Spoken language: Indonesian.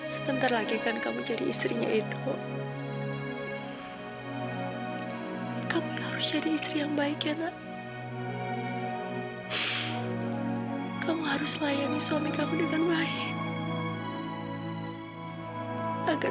sampai jumpa di video selanjutnya